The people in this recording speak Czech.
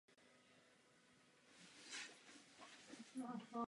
Po korunovaci poté opět odjel do Avignonu.